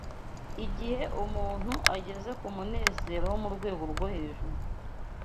igihe umuntu ageze ku munezero wo mu rwego rwo hejuru